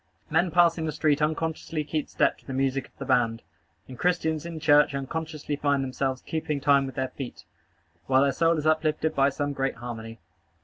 Men passing the street unconsciously keep step to the music of the band; and Christians in church unconsciously find themselves keeping time with their feet, while their soul is uplifted by some great harmony.